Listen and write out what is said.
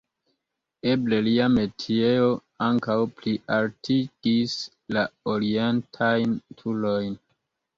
Eble lia metiejo ankaŭ plialtigis la orientajn turojn.